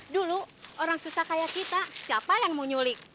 dulu orang susah kaya kita siapa yang mau nyulik